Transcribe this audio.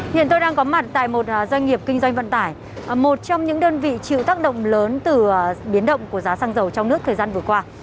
hiện tôi đang có mặt tại một doanh nghiệp kinh doanh vận tải một trong những đơn vị chịu tác động lớn từ biến động của giá xăng dầu trong nước thời gian vừa qua